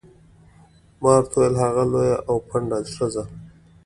ما ورته وویل: هغه لویه او پنډه ښځه.